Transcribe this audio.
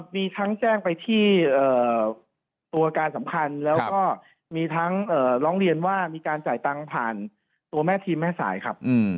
มีทั้งแจ้งไปที่ตัวการสำคัญแล้วก็มีทั้งร้องเรียนว่ามีการจ่ายตังค์ผ่านตัวแม่ทีมแม่สายครับ